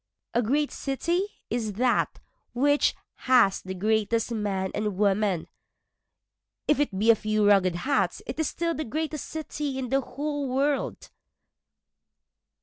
A great city is that which has the greatest men and women, If it be a few ragged huts it is still the greatest city in the whole world.